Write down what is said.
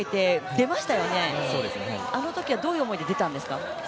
出ましたよね、あのときはどういう思いで出たんですか。